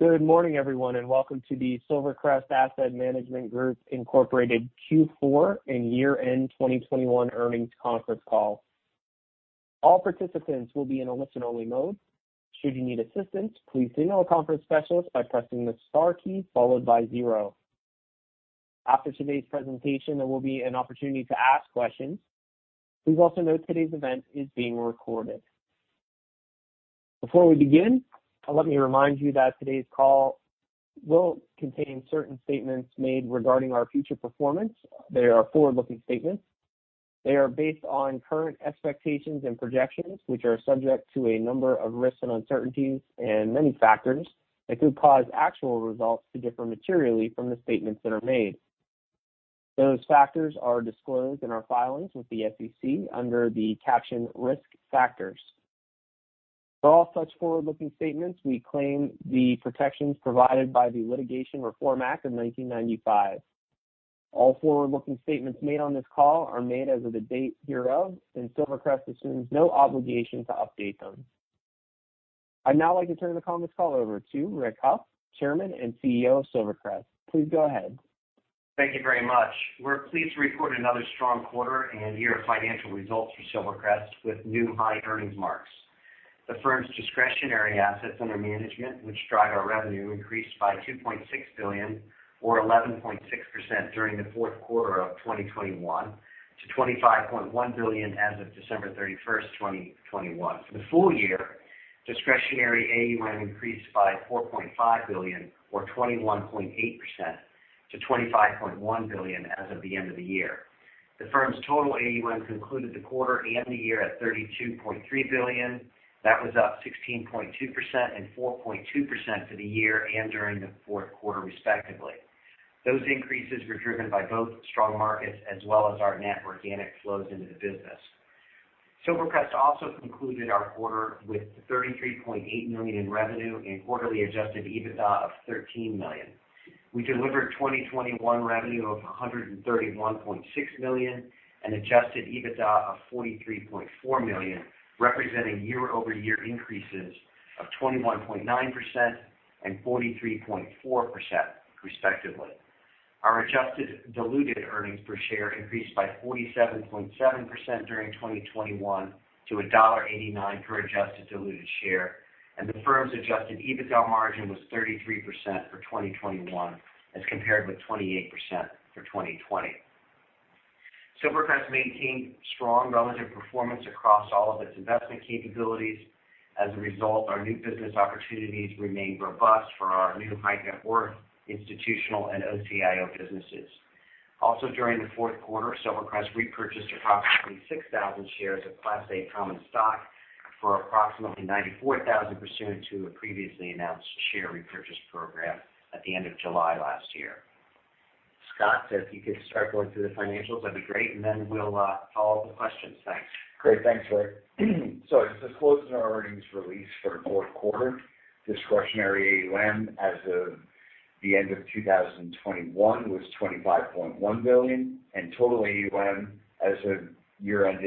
Good morning, everyone, and welcome to the Silvercrest Asset Management Group Inc. Q4 and year-end 2021 earnings conference call. All participants will be in a listen-only mode. Should you need assistance, please signal a conference specialist by pressing the star key followed by zero. After today's presentation, there will be an opportunity to ask questions. Please also note today's event is being recorded. Before we begin, let me remind you that today's call will contain certain statements made regarding our future performance. They are forward-looking statements. They are based on current expectations and projections, which are subject to a number of risks and uncertainties and many factors that could cause actual results to differ materially from the statements that are made. Those factors are disclosed in our filings with the SEC under the caption Risk Factors. For all such forward-looking statements, we claim the protections provided by the Litigation Reform Act of 1995. All forward-looking statements made on this call are made as of the date hereof, and Silvercrest assumes no obligation to update them. I'd now like to turn the conference call over to Rick Hough, Chairman and CEO of Silvercrest. Please go ahead. Thank you very much. We're pleased to report another strong quarter and year of financial results for Silvercrest with new high earnings marks. The firm's discretionary assets under management, which drive our revenue, increased by $2.6 billion or 11.6% during the fourth quarter of 2021 to $25.1 billion as of December 31, 2021. For the full-year, discretionary AUM increased by $4.5 billion or 21.8% to $25.1 billion as of the end of the year. The firm's total AUM concluded the quarter and the year at $32.3 billion. That was up 16.2% and 4.2% for the year and during the fourth quarter, respectively. Those increases were driven by both strong markets as well as our net organic flows into the business. Silvercrest also concluded our quarter with $33.8 million in revenue and quarterly adjusted EBITDA of $13 million. We delivered 2021 revenue of $131.6 million and adjusted EBITDA of $43.4 million, representing year-over-year increases of 21.9% and 43.4%, respectively. Our adjusted diluted earnings per share increased by 47.7% during 2021 to $1.89 per adjusted diluted share, and the firm's adjusted EBITDA margin was 33% for 2021 as compared with 28% for 2020. Silvercrest maintained strong relative performance across all of its investment capabilities. As a result, our new business opportunities remain robust for our new high-net-worth institutional and OCIO businesses. Also, during the fourth quarter, Silvercrest repurchased approximately 6,000 shares of Class A common stock for approximately $94,000 pursuant to a previously announced share repurchase program at the end of July last year. Scott, if you could start going through the financials, that'd be great. We'll follow the questions. Thanks. Great. Thanks, Rick. As disclosed in our earnings release for the fourth quarter, discretionary AUM as of the end of 2021 was $25.1 billion, and total AUM as of year-end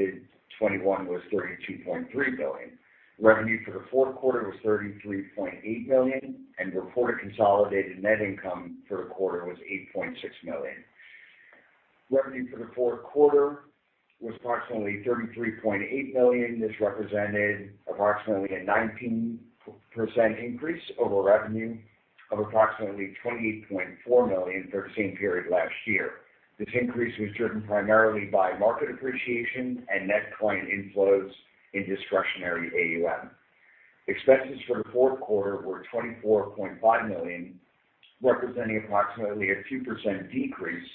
2021 was $32.3 billion. Revenue for the fourth quarter was $33.8 million, and reported consolidated net income for the quarter was $8.6 million. Revenue for the fourth quarter was approximately $33.8 million. This represented approximately a 19% increase over revenue of approximately $28.4 million for the same period last year. This increase was driven primarily by market appreciation and net client inflows in discretionary AUM. Expenses for the fourth quarter were $24.5 million, representing approximately a 2% decrease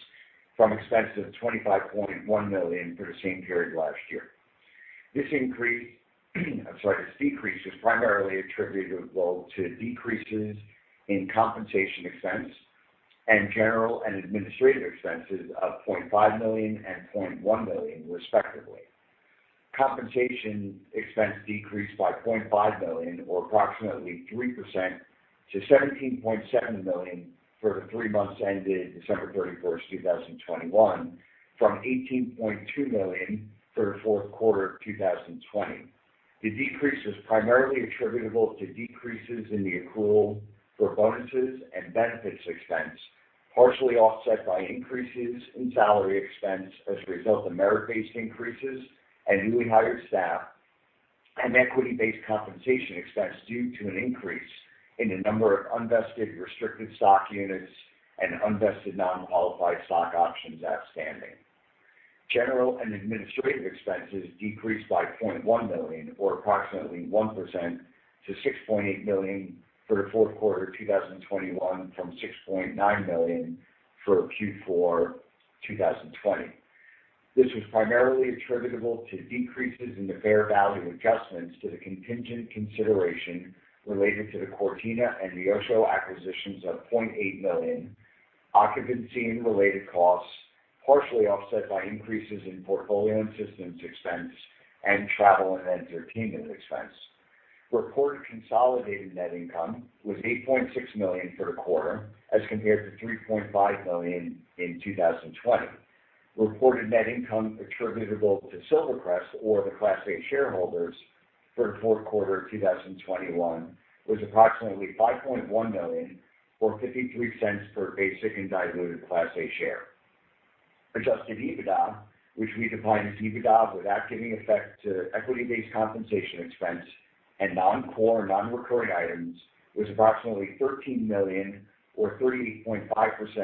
from expense of $25.1 million for the same period last year. I'm sorry. This decrease is primarily attributable to decreases in compensation expense and general and administrative expenses of $0.5 million and $0.1 million, respectively. Compensation expense decreased by $0.5 million or approximately 3% to $17.7 million for the three months ended December 31, 2021 from $18.2 million for the fourth quarter of 2020. The decrease is primarily attributable to decreases in the accrual for bonuses and benefits expense, partially offset by increases in salary expense as a result of merit-based increases and newly hired staff and equity-based compensation expense due to an increase in the number of unvested restricted stock units and unvested non-qualified stock options outstanding. General and administrative expenses decreased by $0.1 million or approximately 1% to $6.8 million for the fourth quarter of 2021 from $6.9 million for Q4 2020. This was primarily attributable to decreases in the fair value adjustments to the contingent consideration related to the Cortina and Neosho acquisitions of $0.8 million, occupancy and related costs, partially offset by increases in portfolio and systems expense and travel and entertainment expense. Reported consolidated net income was $8.6 million for the quarter as compared to $3.5 million in 2020. Reported net income attributable to Silvercrest or the Class A shareholders for the fourth quarter of 2021 was approximately $5.1 million, or $0.53 per basic and diluted Class A share. Adjusted EBITDA, which we define as EBITDA without giving effect to equity-based compensation expense and non-core, non-recurring items, was approximately $13 million or 30.5%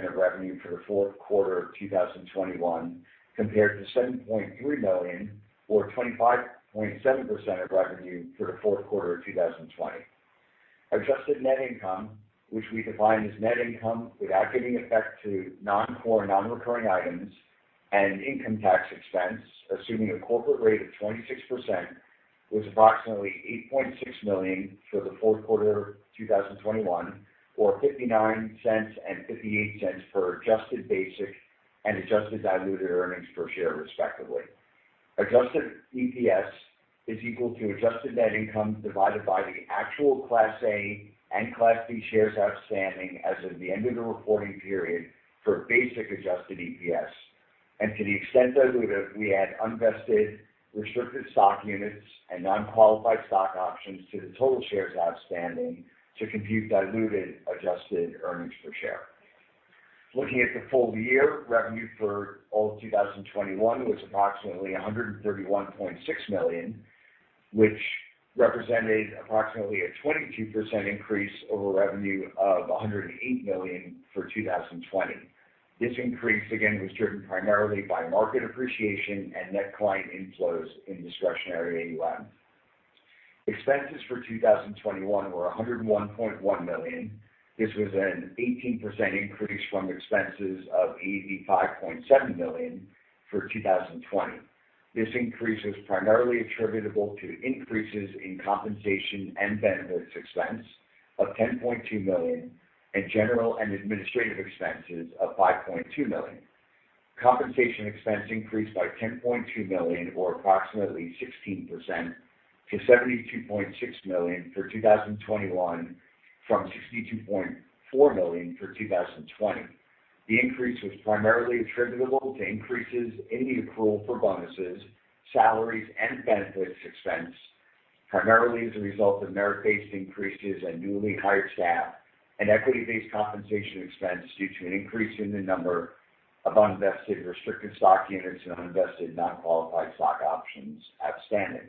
of revenue for the fourth quarter of 2021 compared to $7.3 million or 25.7% of revenue for the fourth quarter of 2020. Adjusted net income, which we define as net income without giving effect to non-core, non-recurring items and income tax expense, assuming a corporate rate of 26%, was approximately $8.6 million for the fourth quarter of 2021, or $0.59 and $0.58 per adjusted basic and adjusted diluted earnings per share, respectively. Adjusted EPS is equal to adjusted net income divided by the actual Class A and Class B shares outstanding as of the end of the reporting period for basic adjusted EPS. To the extent diluted, we add unvested restricted stock units and non-qualified stock options to the total shares outstanding to compute diluted adjusted earnings per share. Looking at the full-year, revenue for all of 2021 was approximately $131.6 million, which represented approximately a 22% increase over revenue of $108 million for 2020. This increase, again, was driven primarily by market appreciation and net client inflows in discretionary AUM. Expenses for 2021 were $101.1 million. This was an 18% increase from expenses of $85.7 million for 2020. This increase is primarily attributable to increases in compensation and benefits expense of $10.2 million and general and administrative expenses of $5.2 million. Compensation expense increased by $10.2 million or approximately 16% to $72.6 million for 2021 from $62.4 million for 2020. The increase was primarily attributable to increases in the accrual for bonuses, salaries, and benefits expense, primarily as a result of merit-based increases and newly hired staff, and equity-based compensation expense due to an increase in the number of unvested restricted stock units and unvested non-qualified stock options outstanding.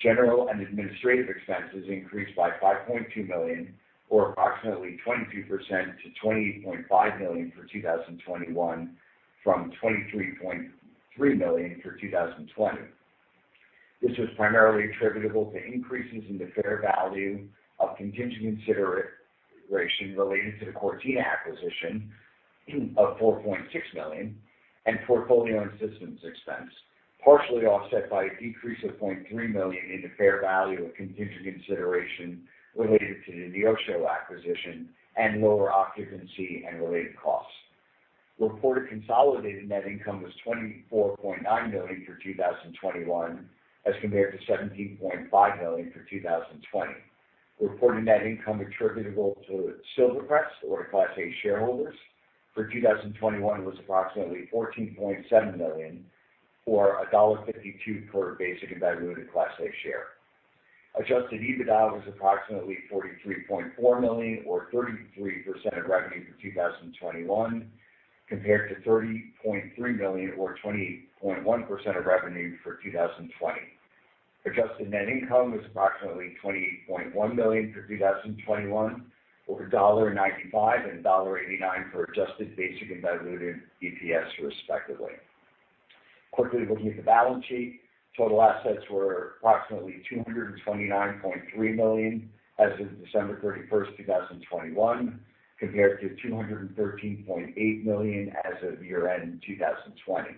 General and administrative expenses increased by $5.2 million or approximately 22% to $20.5 million for 2021 from $23.3 million for 2020. This was primarily attributable to increases in the fair value of contingent consideration related to the Cortina acquisition of $4.6 million and portfolio and systems expense, partially offset by a decrease of $0.3 million in the fair value of contingent consideration related to the Neosho acquisition and lower occupancy and related costs. Reported consolidated net income was $24.9 million for 2021 as compared to $17.5 million for 2020. Reported net income attributable to Silvercrest or Class A shareholders for 2021 was approximately $14.7 million or $1.52 per basic and diluted Class A share. Adjusted EBITDA was approximately $43.4 million or 33% of revenue for 2021 compared to $30.3 million or 20.1% of revenue for 2020. Adjusted net income was approximately $20.1 million for 2021, or $1.95 and $1.89 for adjusted basic and diluted EPS, respectively. Quickly looking at the balance sheet, total assets were approximately $229.3 million as of December 31, 2021 compared to $213.8 million as of year-end 2020.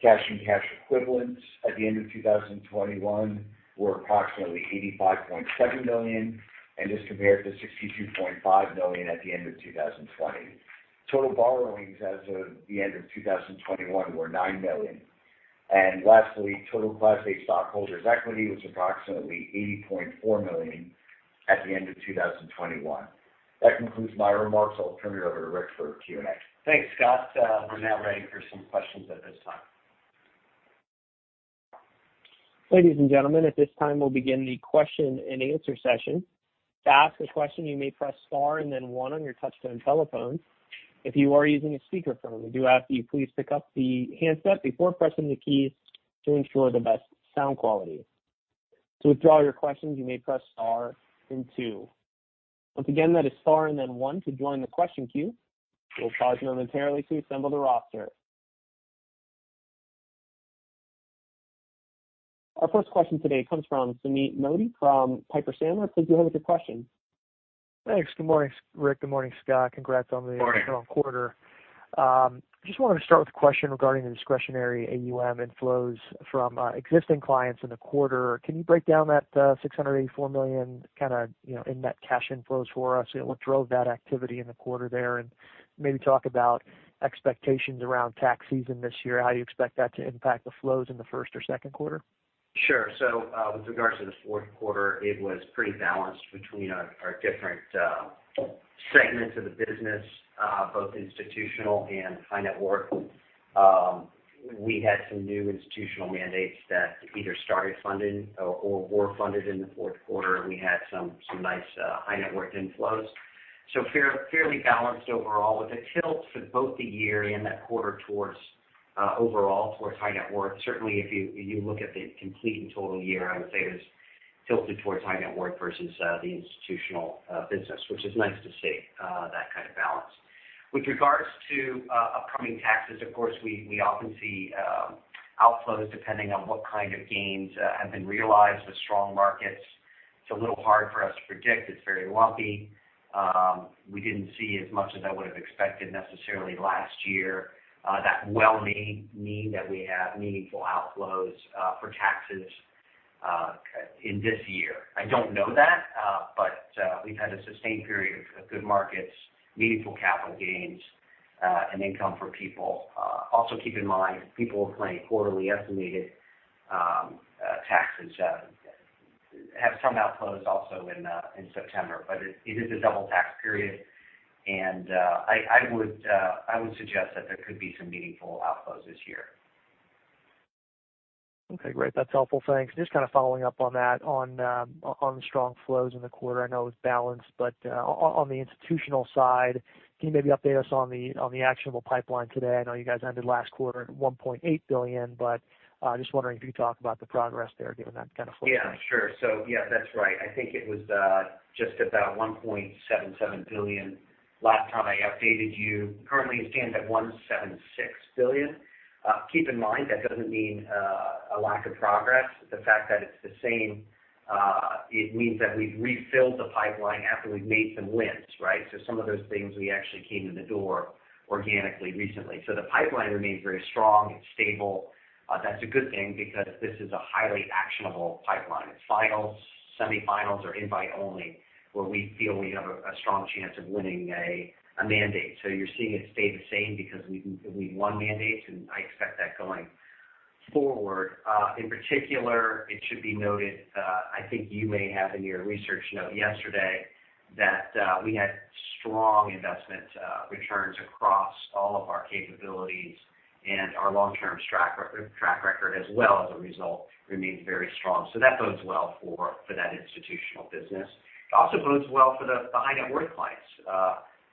Cash and cash equivalents at the end of 2021 were approximately $85.7 million, and this compared to $62.5 million at the end of 2020. Total borrowings as of the end of 2021 were $9 million. Lastly, total Class A stockholders' equity was approximately $80.4 million at the end of 2021. That concludes my remarks. I'll turn it over to Rick for Q&A. Thanks, Scott. We're now ready for some questions at this time. Ladies and gentlemen, at this time, we'll begin the question-and-answer session. To ask a question, you may press star and then one on your touch-tone telephone. If you are using a speakerphone, we do ask that you please pick up the handset before pressing the keys to ensure the best sound quality. To withdraw your questions, you may press star then two. Once again, that is star and then one to join the question queue. We'll pause momentarily to assemble the roster. Our first question today comes from Sandy Mehta from Piper Sandler. Please go ahead with your question. Thanks. Good morning, Rick. Good morning, Scott. Congrats on the strong quarter. Just wanted to start with a question regarding the discretionary AUM inflows from existing clients in the quarter. Can you break down that $684 million in net cash inflows for us? You know, what drove that activity in the quarter there? Maybe talk about expectations around tax season this year. How do you expect that to impact the flows in the first or second quarter? Sure. With regards to the fourth quarter, it was pretty balanced between our different segments of the business, both institutional and high net worth. We had some new institutional mandates that either started funding or were funded in the fourth quarter. We had some nice high net worth inflows. Fairly balanced overall with a tilt for both the year and that quarter towards overall towards high net worth. Certainly, if you look at the complete and total year, I would say it was tilted towards high net worth versus the institutional business, which is nice to see that kind of balance. With regards to upcoming taxes, of course, we often see outflows depending on what kind of gains have been realized with strong markets. It's a little hard for us to predict. It's very lumpy. We didn't see as much as I would have expected necessarily last year. That may well mean that we have meaningful outflows for taxes in this year. I don't know that, but we've had a sustained period of good markets, meaningful capital gains and income for people. Also keep in mind, people paying quarterly estimated taxes have some outflows also in September. It is a double tax period. I would suggest that there could be some meaningful outflows this year. Okay, great. That's helpful. Thanks. Just kind of following up on that on the strong flows in the quarter. I know it's balanced, but on the institutional side, can you maybe update us on the actionable pipeline today? I know you guys ended last quarter at $1.8 billion, but just wondering if you could talk about the progress there given that kind of flow. Yeah, sure. Yeah, that's right. I think it was just about $1.77 billion last time I updated you. Currently it stands at $1.76 billion. Keep in mind that doesn't mean a lack of progress. The fact that it's the same, it means that we've refilled the pipeline after we've made some wins, right? Some of those things we actually came in the door organically recently. The pipeline remains very strong and stable. That's a good thing because this is a highly actionable pipeline. It's finals, semifinals or invite only, where we feel we have a strong chance of winning a mandate. You're seeing it stay the same because we've won mandates, and I expect that going forward. In particular, it should be noted. I think you may have in your research note yesterday that we had strong investment returns across all of our capabilities and our long-term track record, and as a result remains very strong. That bodes well for that institutional business. It also bodes well for the high net worth clients.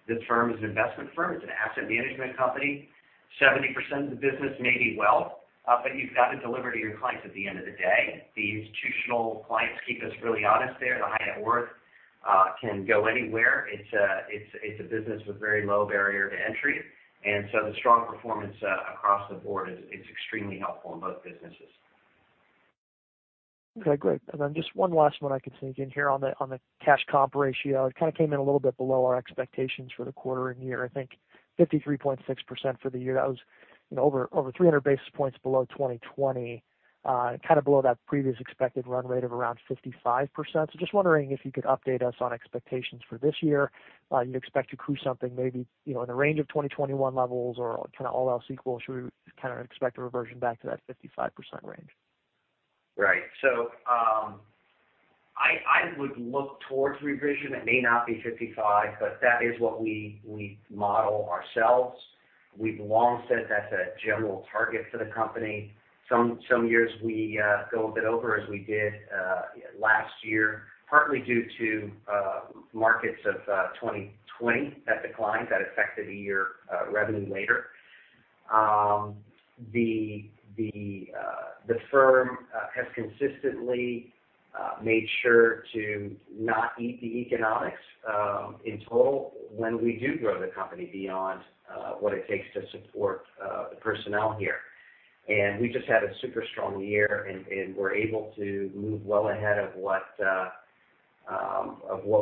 This firm is an investment firm. It's an asset management company. 70% of the business may be wealth, but you've got to deliver to your clients at the end of the day. The institutional clients keep us really honest there. The high net worth can go anywhere. It's a business with very low barrier to entry. The strong performance across the board is extremely helpful in both businesses. Okay, great. Then just one last one I can sneak in here on the cash comp ratio. It kind of came in a little bit below our expectations for the quarter and year. I think 53.6% for the year. That was over 300 basis points below 2020. Kind of below that previous expected run rate of around 55%. Just wondering if you could update us on expectations for this year. You'd expect to cruise something maybe, you know, in the range of 2021 levels or kind of all else equal. Should we kind of expect a reversion back to that 55% range? Right. I would look towards revision. It may not be 55, but that is what we model ourselves. We've long said that's a general target for the company. Some years we go a bit over as we did last year, partly due to markets of 2020 that declined that affected revenue a year later. The firm has consistently made sure to not eat the economics in total when we do grow the company beyond what it takes to support the personnel here. We just had a super strong year, and we're able to move well ahead of what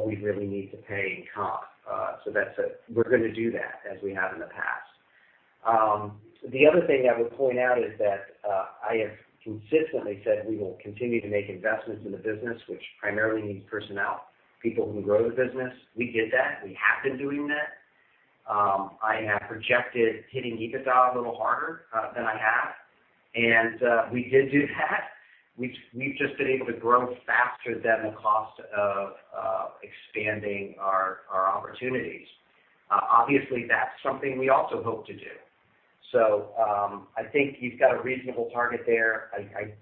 we really need to pay in comp. We're gonna do that as we have in the past. The other thing I would point out is that I have consistently said we will continue to make investments in the business, which primarily means personnel, people who grow the business. We did that. We have been doing that. I have projected hitting EBITDA a little harder than I have. We did do that. We've just been able to grow faster than the cost of expanding our opportunities. Obviously, that's something we also hope to do. I think you've got a reasonable target there.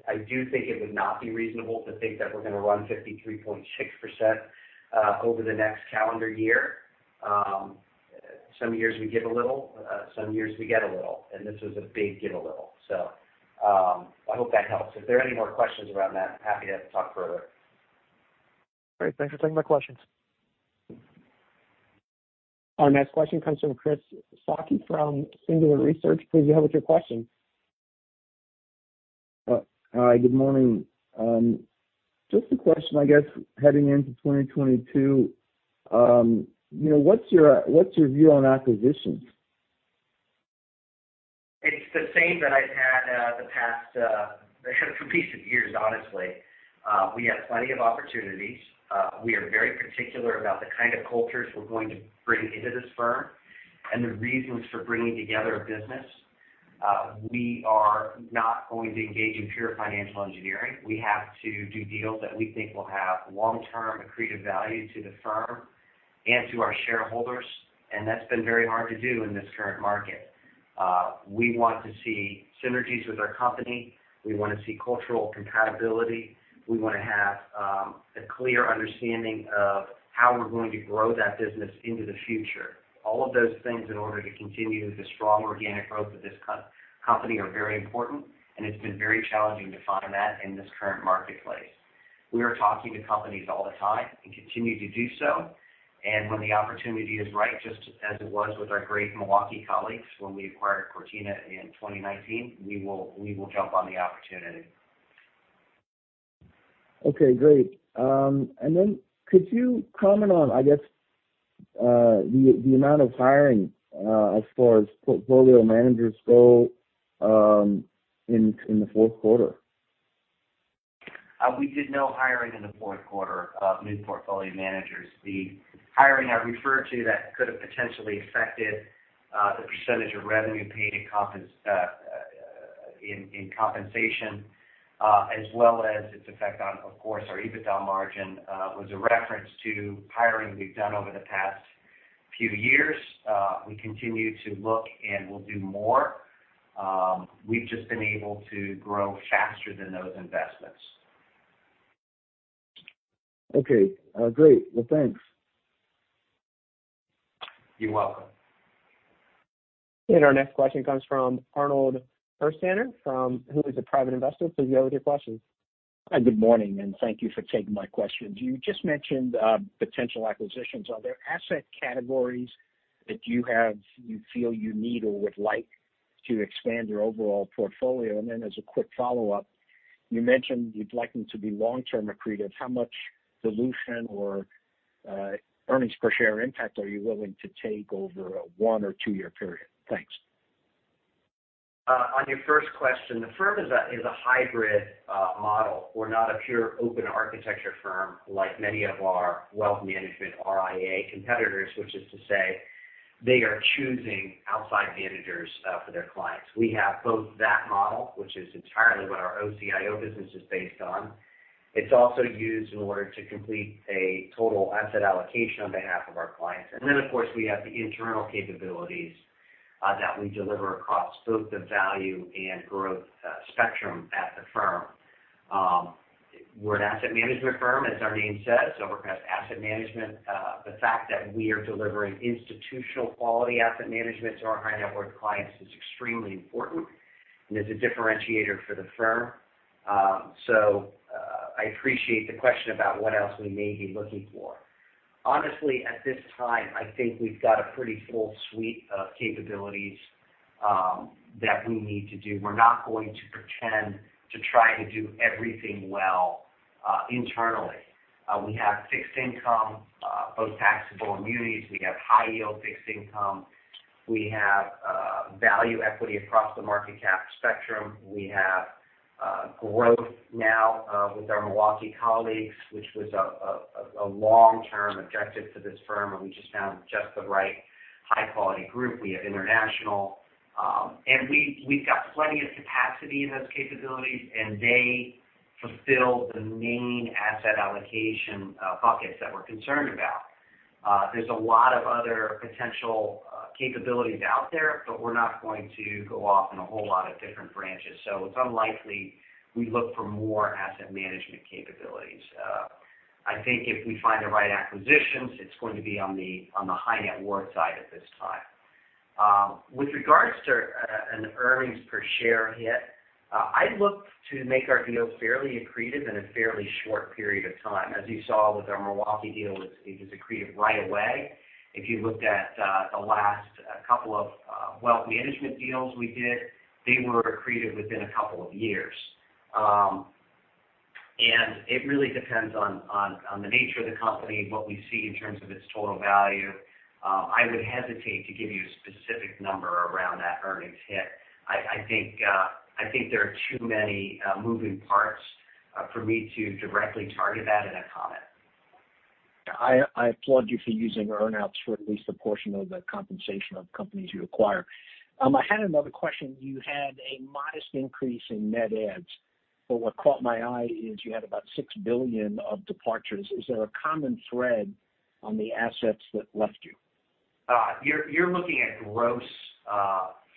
I do think it would not be reasonable to think that we're gonna run 53.6% over the next calendar year. Some years we give a little, some years we get a little, and this was a big give a little. I hope that helps. If there are any more questions around that, happy to talk further. Great. Thanks for taking my questions. Our next question comes from Christopher Sakai from Singular Research. Please go ahead with your question. Hi, good morning. Just a question, I guess, heading into 2022. You know, what's your view on acquisitions? It's the same that I've had for the past few years, honestly. We have plenty of opportunities. We are very particular about the kind of cultures we're going to bring into this firm and the reasons for bringing together a business. We are not going to engage in pure financial engineering. We have to do deals that we think will have long-term accretive value to the firm and to our shareholders, and that's been very hard to do in this current market. We want to see synergies with our company. We wanna see cultural compatibility. We wanna have a clear understanding of how we're going to grow that business into the future. All of those things in order to continue the strong organic growth of this company are very important, and it's been very challenging to find that in this current marketplace. We are talking to companies all the time and continue to do so. When the opportunity is right, just as it was with our great Milwaukee colleagues when we acquired Cortina in 2019, we will jump on the opportunity. Okay, great. Could you comment on, I guess, the amount of hiring, as far as portfolio managers go, in the fourth quarter? We did no hiring in the fourth quarter of new portfolio managers. The hiring I referred to that could have potentially affected the percentage of revenue paid in compensation as well as its effect on, of course, our EBITDA margin was a reference to hiring we've done over the past few years. We continue to look, and we'll do more. We've just been able to grow faster than those investments. Okay. Great. Well, thanks. You're welcome. Our next question comes from Arnold Ernst, who is a private investor. Go with your questions. Hi, good morning, and thank you for taking my questions. You just mentioned potential acquisitions. Are there asset categories that you feel you need or would like to expand your overall portfolio? Then as a quick follow-up, you mentioned you'd like them to be long-term accretive. How much dilution or earnings per share impact are you willing to take over a one- or two-year period? Thanks. On your first question, the firm is a hybrid model. We're not a pure open architecture firm like many of our wealth management RIA competitors, which is to say they are choosing outside managers for their clients. We have both that model, which is entirely what our OCIO business is based on. It's also used in order to complete a total asset allocation on behalf of our clients. Of course, we have the internal capabilities that we deliver across both the value and growth spectrum at the firm. We're an asset management firm, as our name says, Silvercrest Asset Management. The fact that we are delivering institutional quality asset management to our high net worth clients is extremely important and is a differentiator for the firm. I appreciate the question about what else we may be looking for. Honestly, at this time, I think we've got a pretty full suite of capabilities that we need to do. We're not going to pretend to try to do everything well internally. We have fixed income both taxable and munis. We have high-yield fixed income. We have value equity across the market cap spectrum. We have growth now with our Milwaukee colleagues, which was a long-term objective for this firm, and we just found just the right high-quality group. We have international, and we've got plenty of capacity in those capabilities, and they fulfill the main asset allocation buckets that we're concerned about. There's a lot of other potential capabilities out there, but we're not going to go off in a whole lot of different branches. It's unlikely we look for more asset management capabilities. I think if we find the right acquisitions, it's going to be on the high net worth side at this time. With regards to an earnings per share hit, I look to make our deals fairly accretive in a fairly short period of time. As you saw with our Milwaukee deal, it is accretive right away. If you looked at the last couple of wealth management deals we did, they were accretive within a couple of years. It really depends on the nature of the company, what we see in terms of its total value. I would hesitate to give you a specific number around that earnings hit. I think there are too many moving parts for me to directly target that in a comment. I applaud you for using earn-outs for at least a portion of the compensation of companies you acquire. I had another question. You had a modest increase in net adds, but what caught my eye is you had about $6 billion of departures. Is there a common thread on the assets that left you? You're looking at gross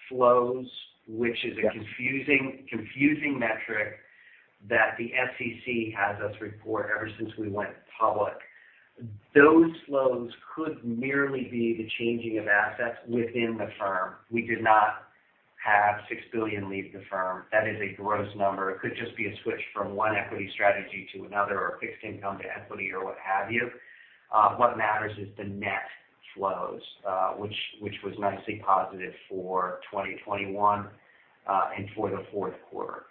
flows. Yes. Confusing metric that the SEC has us report ever since we went public. Those flows could merely be the changing of assets within the firm. We did not have $6 billion leave the firm. That is a gross number. It could just be a switch from one equity strategy to another or fixed income to equity or what have you. What matters is the net flows, which was nicely positive for 2021, and for the fourth quarter.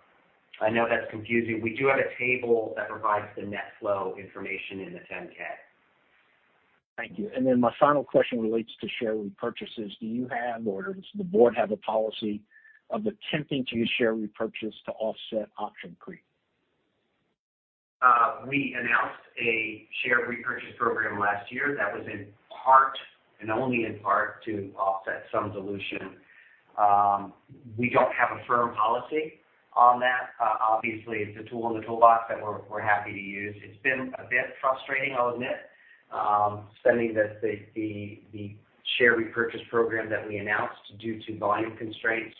I know that's confusing. We do have a table that provides the net flow information in the 10-K. Thank you. My final question relates to share repurchases. Do you have or does the board have a policy of attempting to use share repurchase to offset option creep? We announced a share repurchase program last year that was in part, and only in part, to offset some dilution. We don't have a firm policy on that. Obviously, it's a tool in the toolbox that we're happy to use. It's been a bit frustrating, I'll admit, sending the share repurchase program that we announced due to volume constraints.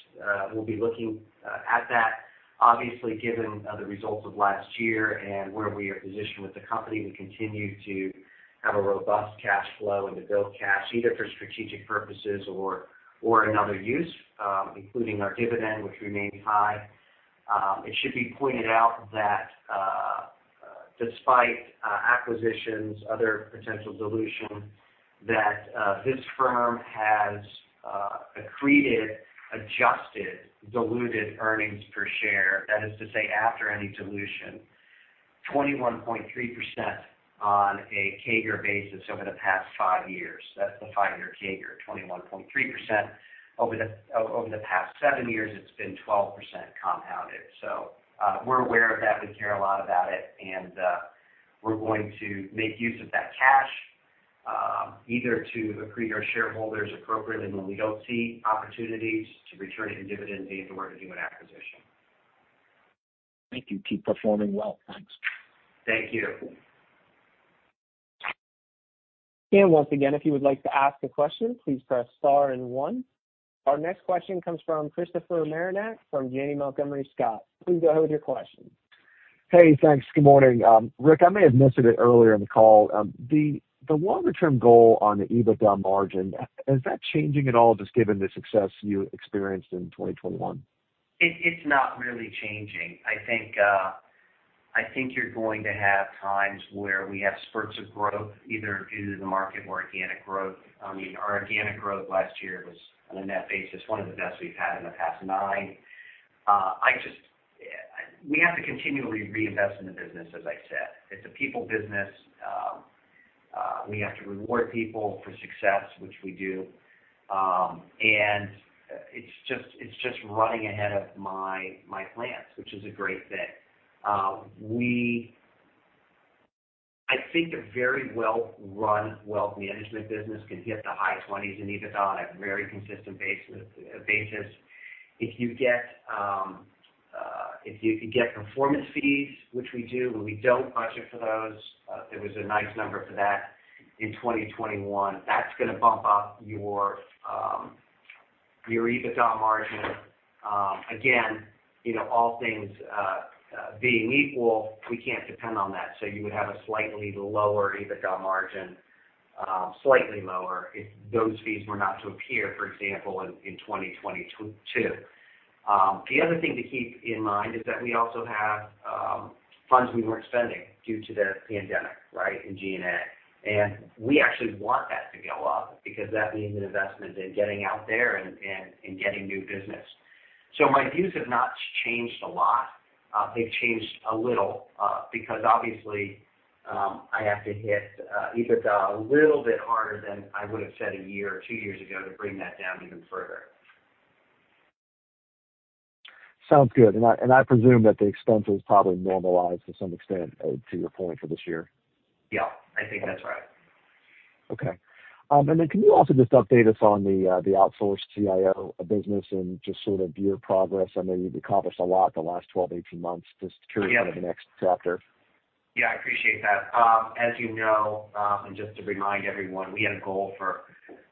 We'll be looking at that. Obviously, given the results of last year and where we are positioned with the company, we continue to have a robust cash flow and to build cash either for strategic purposes or another use, including our dividend, which remains high. It should be pointed out that, despite acquisitions, other potential dilution, that this firm has accreted adjusted diluted earnings per share, that is to say, after any dilution, 21.3% on a CAGR basis over the past five years. That's the five-year CAGR, 21.3%. Over the past seven years, it's been 12% compounded. We're aware of that. We care a lot about it, and we're going to make use of that cash, either to accrete our shareholders appropriately when we don't see opportunities to return any dividend gains or to do an acquisition. Thank you. Keep performing well. Thanks. Thank you. Once again, if you would like to ask a question, please press star and one. Our next question comes from Christopher Marinac from Janney Montgomery Scott. Please go ahead with your question. Hey, thanks. Good morning. Rick, I may have missed it earlier in the call. The longer term goal on the EBITDA margin, is that changing at all, just given the success you experienced in 2021? It's not really changing. I think you're going to have times where we have spurts of growth, either due to the market or organic growth. I mean, our organic growth last year was, on a net basis, one of the best we've had in the past nine. We have to continually reinvest in the business, as I said. It's a people business. We have to reward people for success, which we do. It's just running ahead of my plans, which is a great thing. I think a very well-run wealth management business can hit the high twenties in EBITDA on a very consistent basis. If you could get performance fees, which we do, but we don't budget for those. There was a nice number for that in 2021. That's gonna bump up your EBITDA margin. Again, you know, all things being equal, we can't depend on that. You would have a slightly lower EBITDA margin, slightly lower if those fees were not to appear, for example, in 2022. The other thing to keep in mind is that we also have funds we weren't spending due to the pandemic, right, in G&A. We actually want that to go up because that means an investment in getting out there and getting new business. My views have not changed a lot. They've changed a little, because obviously, I have to hit EBITDA a little bit harder than I would have said a year or two years ago to bring that down even further. Sounds good. I presume that the expense was probably normalized to some extent, to your point for this year. Yeah, I think that's right. Okay. Then can you also just update us on the outsourced CIO business and just sort of your progress? I know you've accomplished a lot in the last 12, 18 months. Just curious. Yeah. about the next chapter. Yeah, I appreciate that. As you know, just to remind everyone, we had a goal for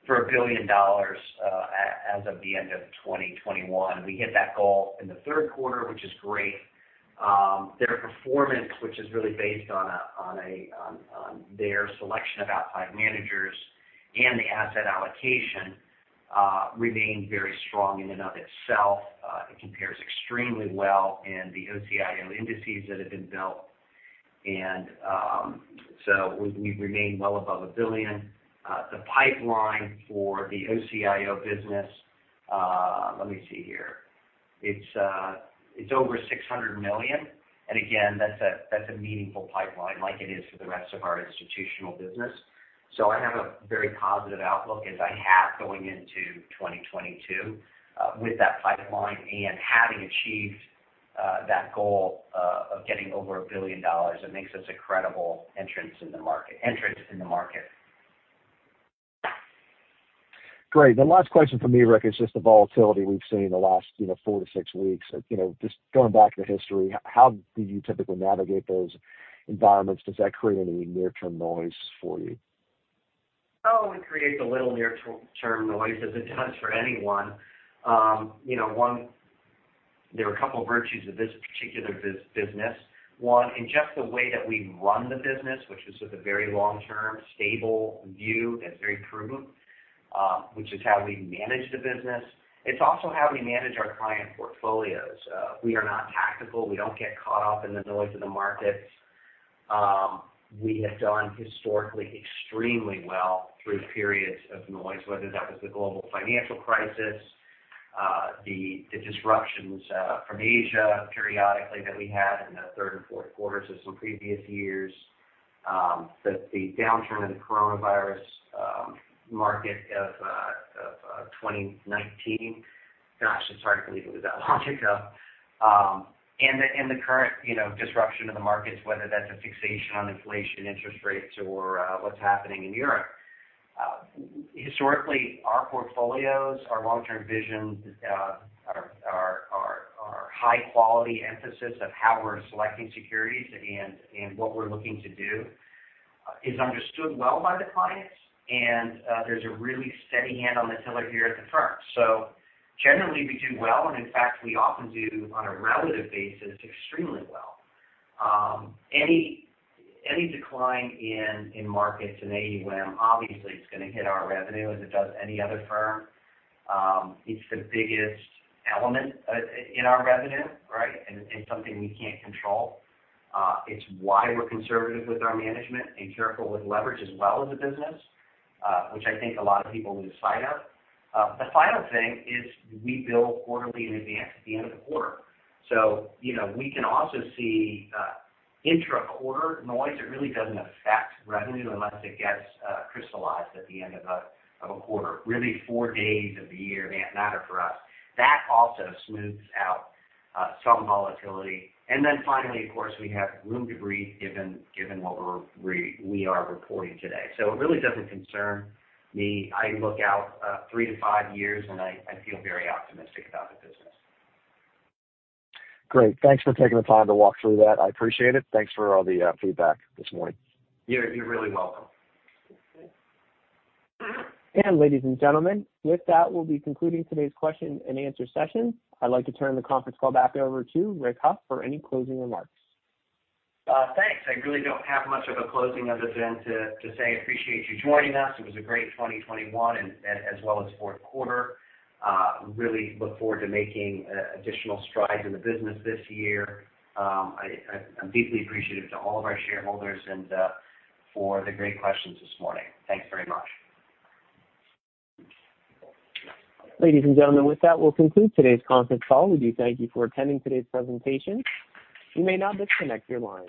$1 billion as of the end of 2021. We hit that goal in the third quarter, which is great. Their performance, which is really based on their selection of outside managers and the asset allocation, remained very strong in and of itself. It compares extremely well in the OCIO indices that have been built. We remain well above $1 billion. The pipeline for the OCIO business, let me see here. It's over $600 million. Again, that's a meaningful pipeline like it is for the rest of our institutional business. I have a very positive outlook as I have going into 2022, with that pipeline and having achieved that goal of getting over $1 billion. It makes us a credible entrance in the market. Great. The last question from me, Rick, is just the volatility we've seen in the last, you know, four to six weeks. You know, just going back to history, how do you typically navigate those environments? Does that create any near-term noise for you? Oh, it creates a little near-term noise as it does for anyone. You know, there are a couple virtues of this particular business. One, in just the way that we run the business, which is with a very long-term, stable view that's very prudent, which is how we manage the business. It's also how we manage our client portfolios. We are not tactical. We don't get caught up in the noise of the markets. We have done historically extremely well through periods of noise, whether that was the global financial crisis, the disruptions from Asia periodically that we had in the third and fourth quarters of some previous years. The downturn in the coronavirus market of 2019. Gosh, it's hard to believe it was that long ago. The current, you know, disruption in the markets, whether that's a fixation on inflation, interest rates or what's happening in Europe. Historically, our portfolios, our long-term vision, our high quality emphasis of how we're selecting securities and what we're looking to do is understood well by the clients. There's a really steady hand on the tiller here at the firm. Generally, we do well, and in fact, we often do, on a relative basis, extremely well. Any decline in markets in AUM, obviously it's gonna hit our revenue as it does any other firm. It's the biggest element in our revenue, right? It's something we can't control. It's why we're conservative with our management and careful with leverage as well as a business, which I think a lot of people would sign up. The final thing is we bill quarterly in advance at the end of the quarter. You know, we can also see intra-quarter noise. It really doesn't affect revenue unless it gets crystallized at the end of a quarter. Really, four days of the year may not matter for us. That also smooths out some volatility. Finally, of course, we have room to breathe given what we are reporting today. It really doesn't concern me. I look out three to five years, and I feel very optimistic about the business. Great. Thanks for taking the time to walk through that. I appreciate it. Thanks for all the feedback this morning. You're really welcome. Ladies and gentlemen, with that, we'll be concluding today's question-and-answer session. I'd like to turn the conference call back over to Rick Hough for any closing remarks. Thanks. I really don't have much of a closing other than to say I appreciate you joining us. It was a great 2021 and as well as fourth quarter. Really look forward to making additional strides in the business this year. I'm deeply appreciative to all of our shareholders and for the great questions this morning. Thanks very much. Ladies and gentlemen, with that, we'll conclude today's conference call. We do thank you for attending today's presentation. You may now disconnect your lines.